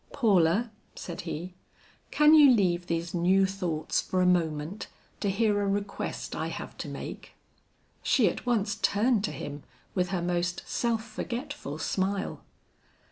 "Paula," said be, "can you leave these new thoughts for a moment to hear a request I have to make?" She at once turned to him with her most self forgetful smile.